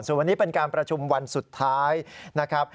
ส่วนวันนี้เป็นการประชุมวันสุดท้ายนะครับ